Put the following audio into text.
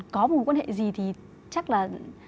có mối quan hệ gì thì chắc là